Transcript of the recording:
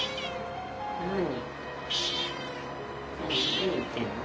何言ってんの？